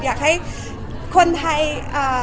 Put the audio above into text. อยากให้คนไทยรักนะคะ